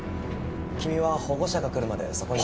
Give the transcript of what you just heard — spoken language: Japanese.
君は保護者が来るまでそこに。